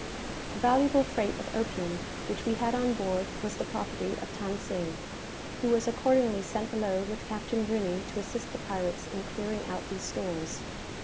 The valuable freight of opium which we had on board was the property of Than Sing, who was accordingly sent below with Captain Rooney to assist the pirates in clearing out these stores.